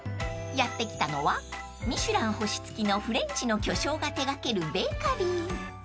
［やって来たのは『ミシュラン』星付きのフレンチの巨匠が手掛けるベーカリー］